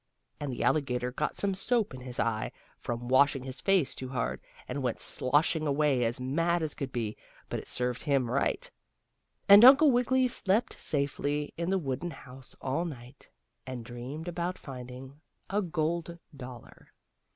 And the alligator got some soap in his eye, from washing his face too hard, and went sloshing away as mad as could be, but it served him right. And Uncle Wiggily slept safely in the wooden house all night, and dreamed about finding a gold dollar.